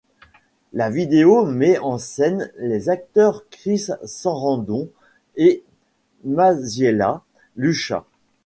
La vidéo met en scène les acteurs Chris Sarandon et Masiela Lusha.